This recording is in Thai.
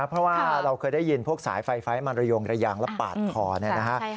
เพราะว่าเราเคยได้ยินพวกสายไฟไฟมันระยงระยางแล้วปาดคอเนี่ยนะฮะ